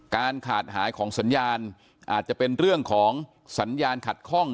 การขาดหายของสัญญาณอาจจะเป็นเรื่องของสัญญาณขัดข้อง